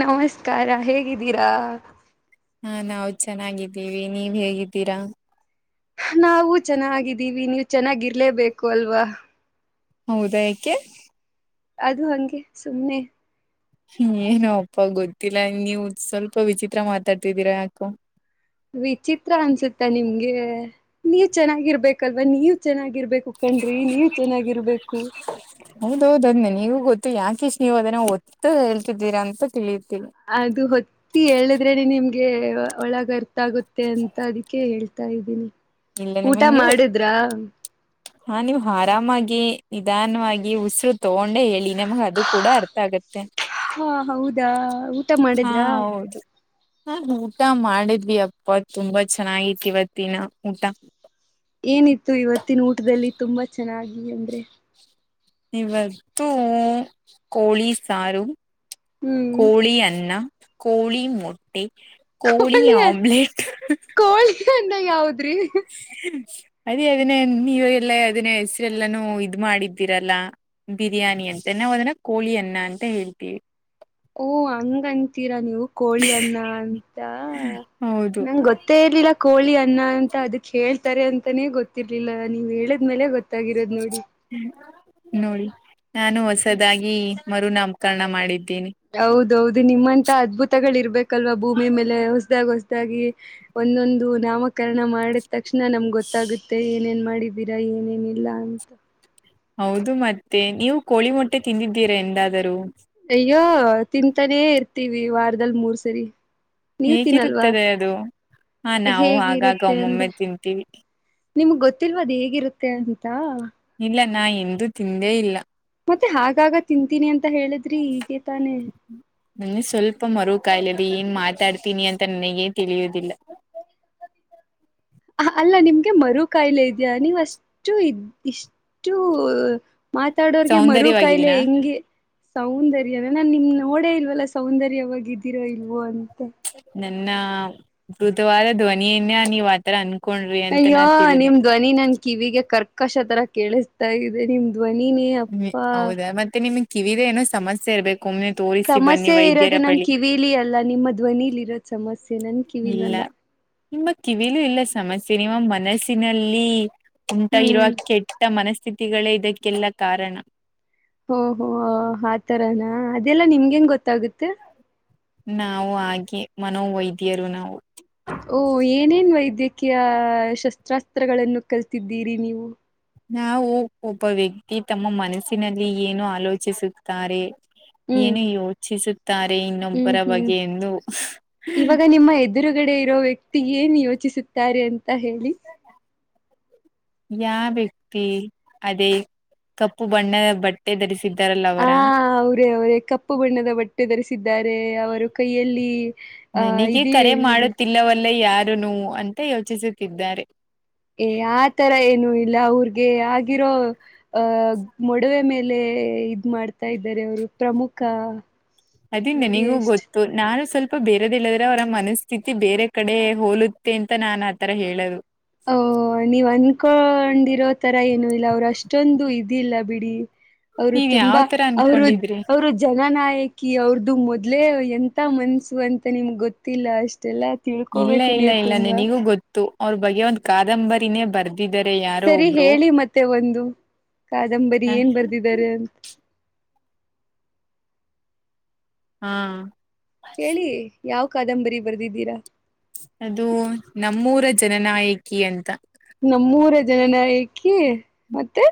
ನಮಸ್ಕಾರ ಹೇಗಿದ್ದೀರಾ. ಹಾ ನಾವು ಚೆನ್ನಾಗಿದ್ದೀವಿ ನೀವ್ ಹೇಗಿದ್ದೀರಾ. ನಾವವು ಚೆನ್ನಾಗಿದ್ದೀವಿ ನೀವು ಚೆನ್ನಾಗಿರ್ಲೇಬೇಕು ಅಲ್ವಾ. ಹೌದಾ ಏಕೆ. ಅದು ಹಂಗೆ ಸುಮ್ಮ್ನೆ. ಏನ ಅಪ್ಪ ಗೊತ್ತಿಲ್ಲ ನೀವು ಸ್ವಲ್ಪ ವಿಚಿತ್ರ ಮಾತಾಡ್ತಿದ್ದೀರಾ ಯಾಕೋ. ವಿಚಿತ್ರ ಅನ್ಸುತ್ತ ನಿಮ್ಗೆ ನೀವ ಚೆನ್ನಾಗಿರ್ಬೇಕಲ್ವಾ ನೀವ ಚೆನ್ನಾಗಿ. ನೀವು ಚೆನ್ನಾಗಿರಬೇಕು ಕಣ್ರೀ ನೀವು ಚೆನ್ನಾಗಿರ್ಬೇಕು. ಹೌದೌದ ಅದ್ ನನಗೂ ಗೊತ್ತು ಯಾಕೆ ಇಷ್ಟ್ ನೀವು ಅದನ್ನ ಒತ್ತು ಹೇಳ್ತಿದ್ದೀರ ಅಂತ ತಿಳ. ಅದು ಹೊತ್ತಿ ಹೇಳದ್ರೇನೆ ನಿಮ್ಗೆ ಒಳಗ ಅರ್ಥ ಆಗುತ್ತೆ ಅಂತ ಅದಕ್ಕೆ ಹೇಳ್ತೀ. ತಾ ಇದ್ದೀನಿ. ಇಲ್ಲ ಊಟ ನಿಮಗ್ ನೀವು ಮಾಡಿದ್ರಾ [inaudible] ಹಾ ನೀವು್ ಆರಾಮಾಗಿ ನಿಧಾನವಾಗಿ ಉಸರು ತಗೊಂಡೆ ಹೇಳಿ ನಮಗ ಅದು ಕೂಡ ಅರ್ಥ ಆಗತ್ತೆ. ಹಾ ಹೌದಾ ಊಟ ಮಾಡಿದ್ರಾ. ನಾ ಊಟ ಮಾಡಿದ್ವಿ ಅಪ್ಪ ತುಂಬಾ ಚೆನ್ನಾಗಿತಿ ಇವತ್ತಿನ ಊಟ. ಏನಿತ್ತು ಇವತ್ತಿನ ಊಟದಲ್ಲಿ ತುಂಬಾ ಚೆನ್ನಾಗಿ ಅಂದ್ರೆ. ಇವತ್ತು ಕೋಳಿ ಸಾರು ಹ್ಮ್ ಕೋಳಿ ಅನ್ನ ಕೋಳಿ ಮಟ್ ಕೋಳಿ ಆಮ್ಲೆಟ್ [inaudible] ಕೋಳಿ ಅನ್ನ ಯಾವದ್ರಿ ಅದೇ ಅದನ್ನೇ ನೀವ ಎಲ್ಲ ಅದನ್ನೇ ಹೆಸರೆಲ್ಲಾನು ಇದ್ ಮಾಡಿದ ರಲ್ಲ ಬಿರಿಯಾನಿ ಅಂತ ನಾವವು ಅದನ್ನ ಕೋಳಿ ಅನ್ನ ಅಂತ ಹೇಳ್ತೀವಿ. ಓ ಹಂಗಂತ ರ ನೀವು ಕೋಳಿ ಅನ್ನ ಅಂತ ಹೌದು ನಂ ಗೊತ್ತೇ ಇರ್ಲಿಲ್ಲ ಕೋಳಿ ಅನ್ನ ಅಂತ ಅದ ಕೇಳ್ತಾರೆ ಅಂತಾನೇ ಗೊತ್ತರ್ಲಿಲ್ಲ ನೀವ್ ಹೇಳಿದ್ಲೆ ಗೊತ್ತ ನೋಡಿ ನಾನು ಹೊಸದಾಗಿ ಮರುನಮ್ಮ ಊಪಕಣ ಮಾಡಿದ್ದು. ಹೌದೌದು ನಿಮ್ಮಂತ ಅದ್ಭುತಗಳ ಇರ್ಬೇಕಲ್ವಾ ಭೂಮಿ ಮೇಲೆ ಹೊಸದಾಗ ಹೊಸ್ದ ಗಿ ಒಂದೊಂದು ನಾಮಕರಣ ಮಾಡಿದ ತಕ್ಷಣ ನಮ್ಗೆ ಗೊತ್ತಾಗುತ್ತೆ ಏನೇನ್ ಮಾಡ ನಿದೀರಾ ಏನೇನಿಲ್ಲ ಅಂತ ಹೌದು ಮತ್ತೆ ನೀವು ಕೋಳಿ ಮೊಟ್ಟೆ ತಿಂದಿದ್ದೀರಾ ಎಂದಾದರೂ ಅಯ್ಯೋ ತಿಂತಾನೇ ಇರ್ತೀವಿ ವಾರದಲಿ ಮೂರ್ ಸರಿ. ನೀವ್ ತಿನ್ನಲ್ವಾ ಹೇಗಿರುತ್ತದೆ ಅದು ಹಾ ನಾವು ಆಗಾಗ ಹೇಗಿರುತ್ತೆ ಒಮ್ಮೊಮ್ಮೆ ಅಂದ್ರೆ ತಿಂತೀವಿ ನಿಮ್ಗ್ ಗೊತ್ತಿಲ್ವದು ಹೇಗಿರುತ್ತೆ. ಅಂತಾ. ಇಲ್ಲ ನಾ ಎಂದು ತಿಂದೇ ಇಲ್ಲ ಮತ್ತೆ ಹಾಗಾಗ ತಿಂತೀನಿ ಅಂತ ಹೇಳಿದ್ರಿ ಹೀಗ ತಾನೇ. ನನ್ನಗೆ ಸ್ವಲ್ಪ ಮರು ಕಾಯಿಲದೆ ಏನ್ ಮಾತಾಡ್ತೀನಿ ಅಂತ ನನಗೇ ತಿಳಿಯುದಿಲ್ಲ. ಅ ಅಲ್ಲ ನಿಮ್ಗೆ ಮರು ಕಾಯಿಲೆ ಇದ್ಯಾ ನೀವ್ ಅಷ್ಟು ಇದ್ಯ ಇಷ್ಟ ಅಷ್ಟು ಮಾತಾಡೋರ್ಗೆ ಮರು ಕಾಯಿಲೆ ಸೌಂದರ್ಯವಾಗಿದ್ದೀನ ಹೆಂಗೆ ಸೌಂದರ್ಯನ ನಾ ನಿಮ ನೋಡೇ ಇಲ್ವಲ್ಲ ಸೌಂದರ್ಯವಾಗ ಇದಿರೋ ಇಲ್ವೋ ಅಂತ. ನನ್ನ ಮೃದುವಾದ ಧ್ವನಿಯನ್ನ ನೀವ್ ಆತರ ಅನ್ ಅಯ್ಯೋ ನಿಮ್ ಧ್ವನಿ ನನ್ ಕಿವಿಗೆ ಕರ್ಕಶ ತರ ಕೇಳಿಸ್ತಾ ಇದೆ ನಿಮ್ದ್ ಧ್ವನ ನೀ ಅಪ್ಪಾ ಹೌದಾ ಮತ್ತೆ ನಿಮಗ್ ಕಿವಿದ ಏನೋ ಸಮಸ್ಯೆ ಇರ್ಬೇಕು. ಒಮ್ಮನೆ ತೋರಿಸಿ ಬನ್ನಿ ಸಮಸ್ಯೆ ವೈದ್ಯರ ಇರೋದು ನನ್ ಬಳಿ ಕಿವಿಲಿ ಅಲ್ಲ ನಿಮ್ಮ ಧ್ವನಿಲಿ ಇರೋದು ಸಮಸ್ಯೆ. ನನ್ ಇಲ್ಲ ಕಿವಿಲಲ್ಲ. ನಿಮ್ಮ ಕಿವಿಲು ಇಲ್ಲ ಸಮಸ್ಯೆ ನಿಮ್ಮ ಮನಸ್ಸಿನಲ್ಲಿ ಉಂಟಾ ಇರುವ ಹ್ಮ್ ಕೆಟ್ಟ ಮನಸ್ಥಿತಿಗಳೇ ಇದಕ್ಕೆಲ್ಲ ಕಾರಣ. ಹೋ ಹೋ ಆತರಾನ ಅದೆಲ್ಲಾ ನಿಮ್ಗೆಂಗೆ ಗೊತ್ತಾಗುತ್ತೆ. ನಾವು ಹಾಗೆ ಮನೋವೈದ್ಯರು ನಾವು. ಓ ಏನೇನ್ ವೈದ್ಯಕೀಯ ಶಸ್ತ್ರಾಸ್ತ್ರ ತ್ರಗಳನ್ನು ಕಲ್ತಿದ್ದೀರಿ ನೀವು. ನಾವು ಒಬ್ಬ ವ್ಯಕ್ತಿ ತಮ್ಮ ಮನಸ್ಸಿನಲ್ಲಿ ಏನು ಆಲೋಚಿಸುತ್ತಾರೆ ಹ್ಮ್ ಏನು ಯೋಚಿಸುತ್ತ ತಾರೆ ಹ್ಮ್ ಇನ್ನೊಬ್ಬರ ಹ್ಮ್ ಬಗ್ಗೆ ಎಂದು ಇವಾಗ ನಿಮ್ಮ ಎದುರುಗಡೆ ಇರೋ ವ್ಯಕ್ತಿ ಏನ್ ಯೋಚಿಸುತ್ತಾರೆ ಅಂತ ಹೇಳಿ. ಯಾ ವ್ಯಕ್ತಿ ಅದೇ ಕಪ್ಪು ಬಣ್ಣದ ಬಟ್ಟೆ ಧರಿಸ ಹ ಅವರೇ ಅವರೇ ಕಪ್ಪು ಬಣ್ಣದ ಬಟ್ಟೆ ಧರಿಸಿದ್ದಾರೆ ಅವರು ಕೈಯಲ್ಲಿ ಅಹ ನನಗೆ ಇದೇ ಕರೆ ಮಾಡುತ್ತಿಲ್ಲವಲ್ಲ ಯಾರುನು ಅಂತ ಯೋಚಿಸುತ್ತಿದ್ದಾರೆ. ಏ ಆ ತರ ಏನು ಇಲ್ಲ ಅವ್ರಗೆ ಆಗಿರೋ ಅಹ ಮಡವೆ ಮೇಲೆ ಇದ್ ಮಾಡ್ತಾ ಇದ ಅರೆ ಅವರು ಪ್ರಮುಖ ನೋಡಿ ಎಷ್ಟ ಅ ಬೇರೆದ ಇಲ್ಲಂದ್ರೆ ಅವರ ಮನಸ್ಥಿತಿ ಬೇರೆ ಕಡೆ ಹೋಲುತ್ತೆ ಅಂತ ನಾನ್ ಆತರ ಹೇಳೋದು. ಓ ನೀವ್ ಅನ್ಕೊಂಡಿರೋ ತರ ಏನು ಇಲ್ಲ ಅವರು ಅಷ್ಟೊಂದು ಇದಿಲ್ಲ ಬಿಡಿ. ಅವರು ನೀವ್ ಯಾವ ತುಂಬಾ ತರ ಅವರು ಅನ್ಕೊಂಡಿದ್ರಿ ಅವರು ಜನನಾಯಕಿ ಅವ್ರದ್ದು ಮೊದ್ಲೆೇ ಎಂತ. ಮನ್ಸು ಅಂತ ನಿಮ್ಗೆ ಗೊತ್ತಿಲ್ಲ ಅಷ್ಟೆಲ್ಲ. ಇಲ್ಲ ಇಲ್ಲ ಇಲ್ಲ ನಿನಿಗೂ ಗೊತ್ತು ಅವ್ರ ಬಗ್ಗೆ ಒಂದ್ ಕಾದಂಬರಿನೇ ಬರ್ದ ಸರಿ ಹೇಳಿ ಮತ್ತೆ ಒಂದು ಕಾದಂಬರಿ ಹ ಏನ್ ಬರ್ದಿದ್ದಾರೆ ಅಂತ. ಹಾ ಹೇಳಿ ಯಾವ ಕಾದಂಬರಿ ಬರ್ದಿದ್ದೀರಾ? ಅದು ನಮ್ಮೂರ ಜನನಾಯಕಿ ಅಂತ. ನಮ್ಮೂರ ಜನ ನಾಯಕಿ ಮತ್ತೆ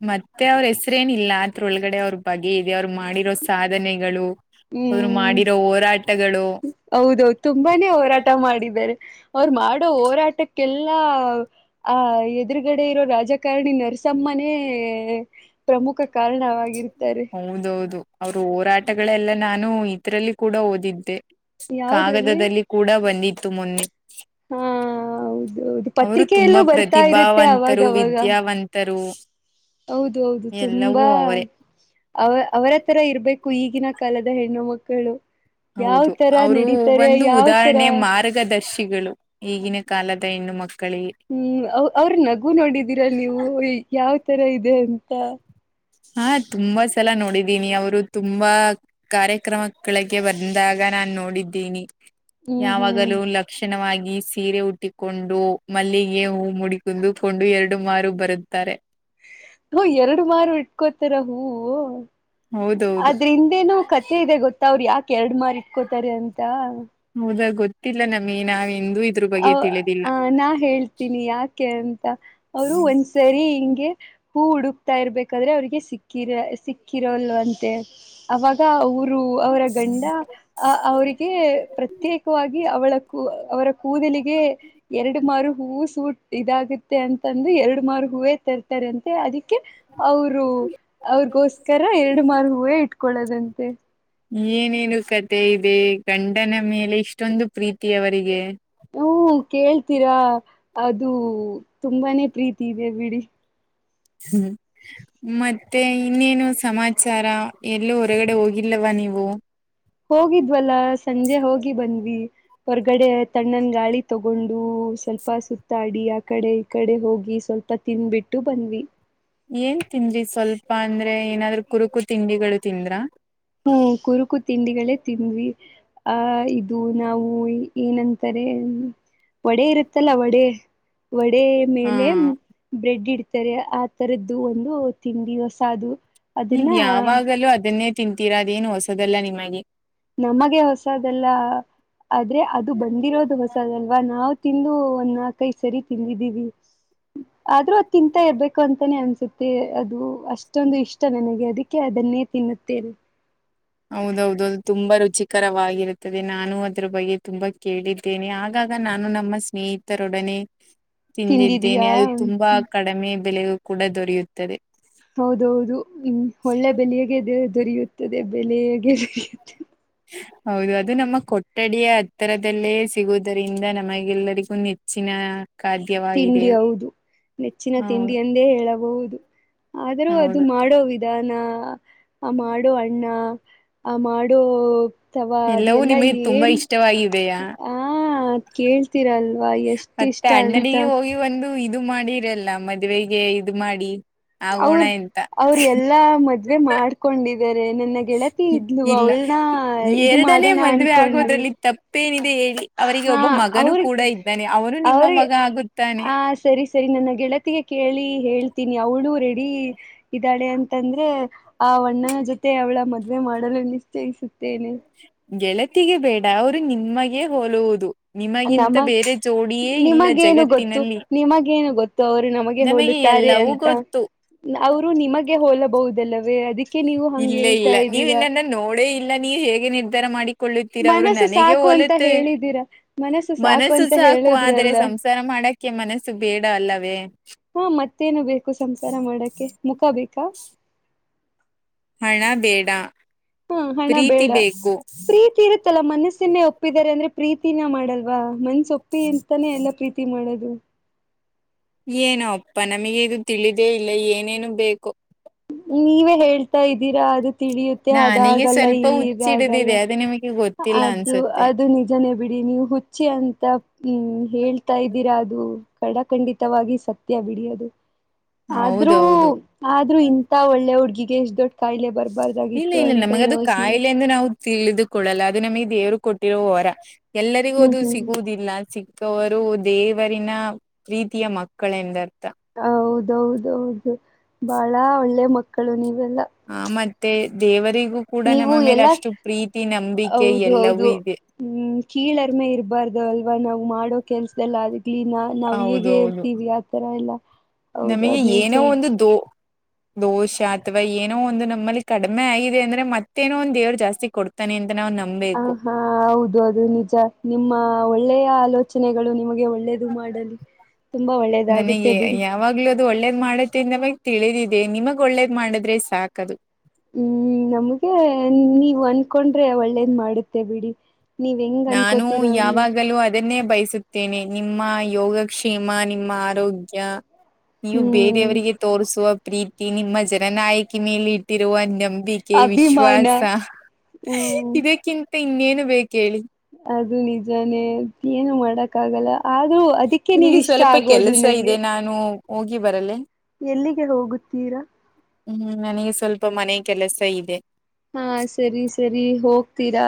ಹ ಮತ್ತೆ ಅವ್ರ ಹೆಸ್ರೇನಿಲ್ಲ ಅತ್ರೊಳಗಡೆ ಅವ್ರ ಬಗೆ ಇದೆ ಅವ್ರ ಮಾಡಿರೋ ಸಾಧನೆಗಳು. ಅವರು ಮಾಡಿರೋ ಹೋರಾಟಗಳು ಹೌದೌ ತುಂಬಾನೇ ಹೋರಾಟ ಮಾಡಿದ್ದಾರೆ ಅವರು ಮಾಡೋ ಹೋರಾಟಕ್ಕೆಲ್ಲ. ಆ ಎದುರುಗಡೆ ಇರೋ ರಾಜಕಾರಣಿ ನರಸಮ್ಮನೇ ಪ್ರಮುಖ ಕಾರಣವಾಗಿರ್ತಾರೆ ಹೌದೌದು ಅವರು ಹೋರಾಟಗಳೆಲ್ಲ ನಾನು ಇದರಲ್ಲಿ ಕೂಡ ಓದಿದ್ದೆ ಯಾವದ್ರಲ್ಲಿ ಕಾಗದದಲ್ಲಿ ಕೂಡ ಬಂದಿತ್ತು ಮೊನ್ನೆ ಹಾ ಹೌದೌದು [unintelligible] ಅವರು ತುಂಬಾ ಪತ್ರಿಕೆಯಲ್ಲೂ ಬರ್ತಾ ಇರುತ್ತೆ ಪ್ರತಿಭಾವಂತರು ಅವಾಗವಾಗ ವಿದ್ಯಾವಂತರು ಹೌದು ಹೌದು ತುಂಬಾ ಎಲ್ಲವೂ ಅವರೇ ಅವ ಅವರ ತರ ಇರ್ಬೇಕು ಈಗಿನ ಕಾಲದ ಹೆಣ್ಣು ಮಕ್ಕಳು ಯಾವ ಹೌದು ತರ ಅವರು ನಡೀತಾರೆ ಒಂದು ಯಾವ ತರ ಉದಾಹರಣೆ ಮಾರ್ಗದರ್ಶಿಗಳು. ಈಗಿನ ಕಾಲದ ಹೆಣ್ಣು ಮಕ್ಕಳು ಹ್ಮ್ ಅವ್ ಅವ್ರ ನಗು ನೋಡಿದೀರಾ ನೀವು ಯಾವ್ ತರ ಇದೆ ಅಂತ. ಹಾ ತುಂಬಾ ಸಲ ನೋಡಿದೀನಿ ಅವ್ರು ತುಂಬಾ ಕಾರ್ಯಕ್ರಮಕಳಗೆ ಬಂದಾಗ. ನ ನೋಡಿದ್ದೀನಿ ಹ್ಮ್ ಹ್ಮ್ ಯಾವಾಗಲೂ ಲಕ್ಷಣವಾಗ್ ಈ ಸೀರೆ ಉುಟ್ಟಿಕೊಂಡು ಮಲ್ಲಿಗೆ ಹೂ ಮುಡಿದುಕೊಂಡು ಎರಡು ಮಾರು ಬರುತ್ತಾರೆ. ಹೋ ಎರಡು ಮಾರು ಇಟ್ಕೋತಾರ ಹೂವು. ಹೌದು ಅದ್ರ ಹಿಂದೇನು ಕತೆ ಇದೆ ಗೊತ್ತಾ ಅವ್ರರು ಯಾಕ್ ಎರಡ್ ಮಾರ್ ಇಟ್ಕೋತಾರೆ ಅಂತ. ಹೌದಾ ಗೊತ್ತಿಲ್ಲ ನಮಗೆ ನಾವೇ ಅವ್ ಆ ನಾ ಹೇಳ್ತೀನಿ ಯಾಕೆ ಅ ಅವರು ಒಂದ್ಸರಿ ಹಿಂಗೆ ಹೂ ಹುಡುಕ್ತಾ ಇರ್ಬೇಕಾದ್ರೆ ಅವ್ರಿಗೆ ಸಿಕ್ಕಿರ ಸಿಕ್ಕಿರೋಲ್ವಂತೆ ಅವಾಗ ರು ಅವರ ಗಂಡ ಅ ಅವ್ರಿಗೆ ಪ್ರೇತ್ಯೆಕವಾಗಿ ಅವಳ ಕು ಅವರ ಕೂದಲಿಗೆ ಎರಡು ಮಾರು ಹೂವು ಸೂಟ್ ಇದಾಗುತ್ತೆ ಅಂತಂದ ಎರಡ ಮಾರ ಹೂವೇ ತರ್ತ ರಂತೆ ಅದೀ ಕೆ ಅವ್ರು ಅವ್ರಗೋಸ್ಕರ ಎರಡ ಮಾರ್ ಹೂವೇ ಇಟ್ಕೊಳ್ಳದಂತೆ. ಏನೇನು ಕತೆ ಇದೆ ಗಂಡನ ಮೇಲೆ ಇಷ್ಟೊಂದು ಪ್ರೀತಿ ಅವರಿಗೆ. ಹು ಕೇಳ್ತೀರಾ ಅದು ತುಂಬಾನೇ ಪ್ರೀತಿ ಇದೆ ಬಿಡಿ. ಹ್ಮ ಮತ್ತೆ ಇನ್ನೇನು ಸಮಾಚಾರ ಎಲ್ಲೂ ಹೊರಗಡೆ ಹೋಗಿಲ್ಲವ ನೀವು ಹೋಗಿದ್ವಲ್ಲ ಸಂಜೆ ಹೋಗಿ ಬಂದ್ವಿ ಹೊರ್ಗಡೆ ತಣ್ಣನ್ ಗಾಳಿ ತೋಗೊಂಡ ಊ ಸ್ವಲ್ಪ ಸುತ್ತಾಡಿ ಆ ಕಡೆ ಈ ಕಡೆ ಹೋಗಿ ಸ್ವಲ್ಪ ತಿನ್ಬಿಟ್ಟು ಬಂದ್ವಿ. ಏನ್ ತಿಂದ್ರಿ ಸ್ವಲ್ಪ ಅಂದ್ರೆ ಏನಾದ್ರರು ಕುರುಕು ತಿಂಡಿಗಳು ತಿಂದ್ರಾ ಹ್ಮ್ ಕುರುಕು ತಿಂಡಿಗಳೇ ತಿಂದ್ವಿ ಆಹ ಇದು ನಾವು ಈ ಏನಂತಾರೆ. ವಡೆ ಇರುತ್ತಲ್ಲ ವಡೆ ವಡೆ ಹಾ ಮೇಲೆ ಬ್ರೆಡ್ ಇಡ್ತಾರೆ ಆ ತರದ್ದು ಒಂದು ತಿಂಡಿ ಹೊಸಾದು. ನೀವ್ ಯಾವಾಗಲೂ ಅದನ್ನೇ ತಿಂತೀರ ಅದೇನು ಹೊಸದಲ್ಲಾ ನಿಮಗೆ. ನಮಗೆ ಹೊಸದಲ್ಲ ಆ ಆದ್ರೆ ಅದು ಬಂದಿರೋದು ಹೊಸದಲ್ವಾ ನಾವ ತಿಂದು ಒಂದ್ ನಾಲ್ಕೈ ಸರಿ ತಿಂದಿದ್ದೀವಿ. ಆದ್ರೂ ಅದು ತಿಂತಾ ಇರ್ಬೇಕು ಅಂತಾನೇ ಅನ್ಸುತ್ತೆ ಅದು ಅಷ್ಟೊಂದು ಇಷ್ಟ ನನಗೆ ಅದಿಕ್ಕೆ ಅದ ಅದನ್ನೇ ತಿನ್ನುತ್ತೇವೆ. [inaudible] ಹೌದೌದುದು ತುಂಬಾ ರುಚಿಕರವಾಗಿರುತ್ತದೆ ನಾನು ಅದ್ರ ಬಗ್ಗೆ ತುಂಬಾ ಕೇಳಿದ್ದೇನೆ ಆಗ ಆಗ ನಾನು ನಮ್ಮ ಸ್ನೇಹಿತರೊಡನೆ ತಿಂದಿದ್ದೇನೆ ತಿಂದಿದೀಯಾ ಅದು ತುಂಬಾ ಕಡಮೆ ಬೆಲೆಯು ಕೂಡ ದೊರೆಯುತ್ತದೆ. ಹೌದೌದು ಹ್ಮ ಒಳ್ಳೆ ಬೆಲಿಯಗೆ ದೋ ದೊರೆಯುತ್ತದೆ. ಬೆಲೆಗೆ ಹೌದು ಅದು ನಮ್ಮ ಕೊಠಡಿಯ ಹತ್ತರದಲ್ಲೇ ಸಿಗುದರಿಂದ ನಮ್ಮೆಲ್ಲರಿಗೂ ನೆಚ್ಚಿನ. ಖಾದ್ಯವಾಗಿದೆ ತಿಂಡಿ ಹೌದು ನೆಚ್ಚಿನ ಹೌ ತಿಂಡಿ ಎಂದೇ ಹೇಳಬಹುದು. ಆದ್ರೂ ಅದು ಹೌದು ಮಾಡೋ ವಿಧಾನ. ಆ ಮಾಡೊ ಅಣ್ಣ ಆ ಮಾಡೊ. ತವಾ ಎಲ್ಲವೂ ಅದೆಲ್ಲಾ ನಿಮಗೆ ತುಂಬಾ ಏನ್ ಇಷ್ಟವಾಗಿದೆಯಾ ಆ ಕೇಳ್ತೀರಲ್ವಾ ಎಷ್ಟ ಇಷ್ಟ ಅ ಈಗೆ ಹೋಗಿ ಒಂದು ಇದು ಮಾಡಿರಲ್ಲ ಮದ್ವೆಗೆ ಇದು ಮಾಡಿ. ಆಗೋಣ ಅವ್ರ ಎಂತ ಅವ್ರ ಎಲ್ಲಾ ಮದ್ವೆ ಮಾಡ್ಕೊಂಡಿದ್ ಮಾಡ್ಕೊಂಡಿದ್ದಾರೆ ನನ್ನ ಗೆಳತಿ ಇದ್ಲು ಇಲ್ಲ ಅವಳನ ಇದು ಎರಡನೇ ಮಾಡಣ ಮದ್ವೆ ಅನ್ಕೊಂಡ್ವಿ. ಆಗೋದ್ರಲ್ಲಿ ತಪ್ಪೇನಿದೆ ಹೇಳಿ ಅವರಿಗೆ ಹಾ ಒಬ್ಬ ಮಗನು ಕೂಡ ಅವ್ರಗೆ ಇದ್ದಾನೆ ಅವನು ನಿಮ್ಮ ಅವ್ರೆ ಮಗ ಆಗುತ್ತಾನೆ ಆ ಸರಿ ಸರಿ ನನ್ನ ಗೆಳ ಗೆಳತಿಯ ಕೇಳಿ ಹೇಳ್ತೀನಿ ಅವ್ಳು ರೆಡಿ ಇದಾಳೆ ಅಂತ ಅಂದ್ರೆ ಆ ಓಣ್ಣನ ಜೊತೆ ಅವಳ ಮದ್ವೆ ಮಾಡಲು ನಿಶ್ಚಯಿಸುತ್ತೇನೆ. ಗೆಳತಿಗೆ ಬೇಡ ಅವರು ನಿಮ್ಮಗೆ ಹೋಲುವುದು. ನಿಮಗಿಂತ ನಮಗ್ ಬೇರೆ ಜೋಡಿಯೇ ಇಲ್ಲ ನಿಮಗೇನು ಗೊತ್ತು ಜಗತ್ತಿನಲ್ಲಿ ನಿಮಗೇನು ಗೊತ್ತು ಅವರು ನಮಗೆ ಹೋಲುತ್ತಾರೆ ಎಲ್ಲವೂ ಅಂತ ಗೊತ್ತು ಅವರು ನಿಮಗೆ ಹೋಲಬಹುದಲ್ಲವೇ ಅದಕ್ಕೆ ನೀವು ಅಂಗೆ ಇಲ್ಲ ಹೇಳ್ತಾ ಇಲ್ಲ ನೀವ್ ಇದ್ದೀರಾ ನನ್ನ ಕೊಳ್ಳುತ್ತೀರ ಅವರು ಮನಸ್ಸು ನನಗೆ ಸಾಕು ಅಂತ ಹಓಲುತ್ತ ಹೇಳಿದ್ದೀರಾ ಸಾಕು ಮನಸ್ಸು ಅಂತ ಸಾಕು ಆದ್ರೆ ಹೇಳಿದ್ರಲ್ಲ ಸಂಸಾರ ಮಾಡ ಮಾಡಕ್ಕೆ ಮನಸ್ಸು ಬೇಡ ಅಲ್ಲವೇ ಹಾ ಮತ್ತೇನು ಬೇಕು ಸಂಸಾರ ಮಾಡಕ್ಕೆ ಮುಖ ಬೇಕಾ ಹಣ ಬೇಡ ಹಾ ಹಣ ಪ್ರೀತಿ ಬೇಡ ಬೇಕು ಪ್ರೀತಿ ಇರುತ್ತಲ್ಲ ಮನಸ್ ಮನ್ಸನ್ನೇ ಒಪ್ಪಿದ್ದಾರೆ ಅಂದ್ರೆ ಪ್ರೀತಿನ ಮಾಡಲ್ವ ಮನ್ಸ ಒಪ್ಪಿ ಅಂತಾನೇ ಎಲ್ಲ ಪ್ರೀತಿ ಮಾಡೋದು ಏನೋ ಅಪ್ಪ ನಮಗೆ ಇದು ತಿಳಿದೇ ಇಲ್ಲ ಏನೇನು ಬೇಕೊ. ನೀವೇ ಹೇಳ್ತಾ ಇದ್ದೀರಾ ಅದು ತಿಳಿಯುತ್ತೆ ನನಗೆ ಅದಾಗಲ್ಲ ಸ್ವಲ್ಪ ಈಗಾಗಲ್ಲ. ಹುಚ್ಚಿಡಿದಿದೆ ಅದು ನಿಮಗೆ ಗೊತ್ತಿಲ್ಲ ಅದು ಅನ್ಸುತ್ತೆ ಅದು ನಿಜನೇ ಬಿಡಿ ನೀವು ಹುಚ್ಚಿ ಅಂತ ಹ್ಮ್ ಹೇಳ್ತಾ ಇದ್ದೀರಾ ಅದು ಖಡಖಂಡಿತವಾಗಿ ಸತ್ಯ ಬಿಡಿ ಅದು ಆದ್ರೂ ಹೌದೌದು ಆದ್ರೂ ಇಂತ ಒಳ್ಳೆ ಹುಡ್ಗಿಗೆ ಎಷ್ಟ್ ದೊಡ್ ಕಾಯಿಲೆ ಬರ್ಬಾರ್ದಾಗಿತ್ತು ಅಂತ ಅದು ಯೋಚನೆ ಕಾಯಿಲೆ ಎಂದು ನಾವು ಕೊಡಲ್ಲ ಅದು ನಮಗೆ ದೇವರು ಕೊಟ್ಟಿರೋ ಹೊರ ಎಲ್ಲರಿಗೂ ಹ್ಮ್ ಅದು ಹ್ಮ್ ಸಿಗುವುದಿಲ್ಲ ಸಿ ಅವರು ದೇವರಿನ ಪ್ರೀತಿಯ ಮಕ್ಕಳೆಂದರ್ಥ ಹೌದೌದು ಬಹಳ ಒಳ್ಳೆ ಮಕ್ಕಳು ನೀವೆಲ್ಲ ಹ ಮತ್ತೆ ದೇವರಿಗೆ ಕೂಡ ನೀವು ನಮ್ಮ ಮೇಲೆ ಎಲ್ಲಾ ಅಷ್ಟು ಪ್ರೀತಿ ನಂಬಿಕೆ ಹೌದು ಎಲ್ಲವೂ ಹೌದು ಇದೆ ಹ್ಮ್ ಕೀಳರ್ಮೆ ಇರಬಾರ್ದು ಅಲ್ವಾ ನಾವು ಮಾಡೋ ಕೆಲಸದಲ್ಲಾದರೂ ನಾವ್ ಹೌದು ಹೇಗೆ ಹೌದು ಇರ್ತೀವಿ ಆತರ ಎಲ್ಲ ಹೌದು ಅವ ನಮಗೆ ಏನೋ ನೇಚರ್ ಒಂದು ದೋ ದೋಷ ಅಥವಾ ಏನೋ ಒಂದು ನಮ್ಮಲ್ಲಿ ಕಡಿಮೆ ಆಗಿದೆ ಅಂದ್ರೆ ಮತ್ತೇನೋ ಒಂದ್ ದೇವ್ರ ಜಾಸ್ತಿ ಕೊಡ್ತಾನೆ ಅಂತ ನಾವು ಹ ನಂಬಬೇಕು ಹಾ ಹೌದು ಅದು ನಿಜ ನಿಮ್ಮ ಒಳ್ಳೆಯ ಆಲೋಚನೆ ರಚನೆಗಳು ನಿಮಗೆ ಒಳ್ಳೆಯದು ಮಾಡಲಿ ತುಂಬಾ ನನಗೆ ಒಳ್ಳೇದಾಗುತ್ತೆ ಬಿಡಿ ಯಾವಾಗ್ಲೂ ಅದು ಒಳ್ಳೇದ್ ಮಾಡತಿಿಂದ ಮ ತಿಳಿದಿದ ಅೇ ನಿಮಗ್ ಒಳ್ಳೇದ್ ಮಾಡಿದ್ರೆ ಸಾಕದು ಹ್ಮ್ ನಮ್ಗೆ ನೀವ ಅನ್ಕೊಂಡ್ರೆ ಒಳ್ಳೇದ್ ಮಾಡುತ್ತೆ ಬಿಡಿ ನೀವ್ ಹೆಂಗ್ ನಾನು ಅನ್ಕೋತಿರೋ ಹಂಗೆ ಯಾವಾಗಲೂ ಅದನ್ನೇ ಬಯಸುತ್ತ ೇನೆ ನಿಮ್ಮ ಯೋಗಕ್ಷ್ೇಮ ನಿಮ್ಮ ಆರೋಗ್ಯ ನೀವು ಹ್ಮ್ ಬೇರೆಯವರಿಗೆ ತೋರಿಸುವ ಪ್ರೀತಿ ನಿಮ್ಮ ಜನನಾಯಕಿ ಮೇಲೆ ಇಟ್ಟಿರುವ ನಂಬಿಕೆ ಅಭಿಮಾನ ವಿಶ್ವಾಸ ಹ್ಮ್ ಇದಕ್ಕಿಂತ ಇನ್ನೇನು ಬೇಕ್ ಹೇಳಿ. ಅದು ನಿಜಾನೇ ಏನು ಮಾಡಕ್ ಆಗಲ್ಲ ಆದ್ರೂ ಅದಕ್ಕೆ ನನಗೆ ನೀವ್ ಇಷ್ಟ ಸ್ವಲ್ಪ ಆಗೋದು ಕೆಲಸ ನಂಗೆ ಇದೆ ನಾನು ಹೋಗಿ ಬರಲ್ಲ ಎಲ್ಲಿಗೆ ಹೋಗುತ್ತೀರಾ ಹ್ಮ್ ನನಗೆ ಸ್ವಲ್ಪ ಮನೆ ಕೆಲಸ ಇದೆ ಹಾ ಸರಿ ಸರಿ ಹೋಗ್ತೀರಾ